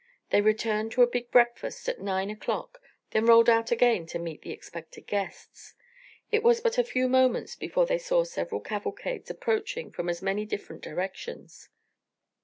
They returned to a big breakfast at nine o'clock, then rode out again to meet the expected guests. It was but a few moments before they saw several cavalcades approaching from as many different directions.